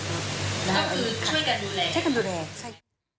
ก็คือช่วยการดูแล